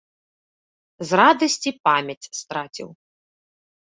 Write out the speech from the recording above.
З радасці памяць страціў.